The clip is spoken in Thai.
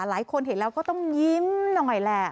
หลายคนเห็นแล้วก็ต้องยิ้มหน่อยแหละ